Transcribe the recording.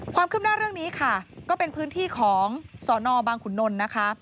ความคืบหน้าเรื่องนี้ค่ะก็เป็นพื้นที่ของสนบางขุนนลนะคะ